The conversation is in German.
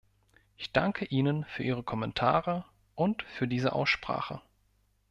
Ich danke Ihnen für Ihre Kommentare und für diese Aussprache.